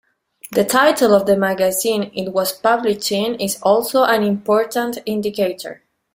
The title of the magazine it was published in is also an important indicator.